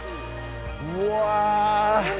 うわ！